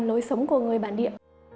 nói sống của người bản địa